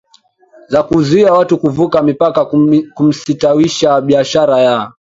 za kuzuia watu kuvuka mipaka kumesitawisha biashara ya